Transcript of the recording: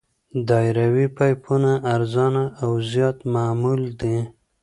دایروي پایپونه ارزانه او زیات معمول دي